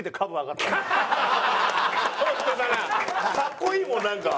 かっこいいもんなんか。